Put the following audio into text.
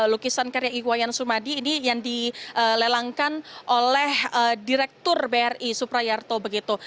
lukisan karya iwayan sumadi ini yang dilelangkan oleh direktur bri suprayarto begitu